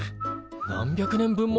何百年分も！